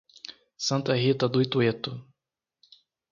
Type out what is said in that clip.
Santa Rita do Itueto